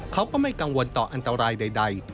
เขาก็ไม่กังวลต่ออันตรายใด